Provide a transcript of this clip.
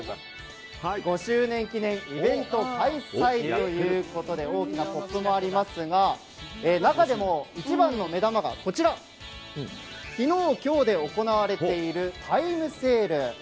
５周年記念イベント開催ということで大きなポップもありますが中でも、一番の目玉が昨日、今日で行われているタイムセール。